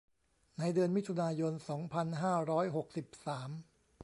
ในเดือนมิถุนายน สองพันห้าร้อยหกสิบสาม